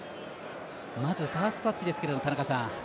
まずファーストタッチですけど田中さん